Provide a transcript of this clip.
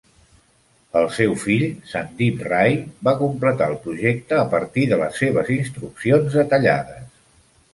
El seu fill, Sandip Ray, va completar el projecte a partir de les seves instruccions detallades.